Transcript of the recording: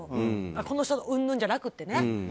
この人うんぬんじゃなくてね。